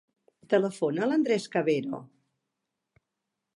Telefona a l'Andrés Cavero.